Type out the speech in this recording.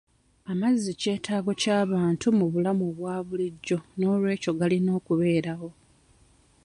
Amazzi kyetaago ky'abantu mu bulamu obwa bulijjo n'olw'ekyo galina okubeerawo.